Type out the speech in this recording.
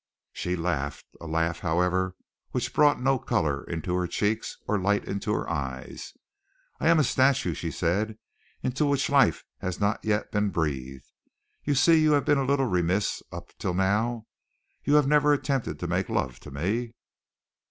She laughed, a laugh, however, which brought no color into her cheeks or light into her eyes. "I am a statue," she said, "into which life has not yet been breathed. You see you have been a little remiss up till now. You have never attempted to make love to me!"